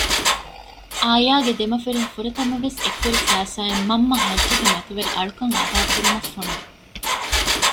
އާޔާގެ ދެމަފިރިން ފުރަތަމަވެސް އެއްކުރި ފައިސާއިން މަންމަ ހައްޖުގެ މަތިވެރި އަޅުކަން އަދާކުރުމަށް ފޮނުވި